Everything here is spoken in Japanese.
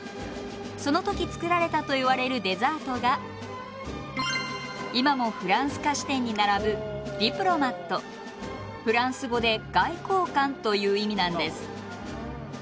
その時作られたといわれるデザートが今もフランス菓子店に並ぶフランス語で「外交官」という意味なんです。